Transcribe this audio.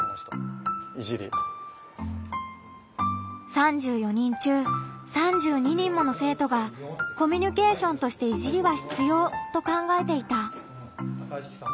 ３４人中３２人もの生徒が「コミュニケーションとしていじりは必要」と考えていた。